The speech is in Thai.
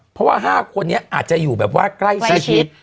เพราะว่า๕คนนี้อาจจะอยู่แบบว่าใกล้เสียชีวิต